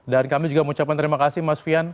dan kami juga mau ucapkan terima kasih mas fian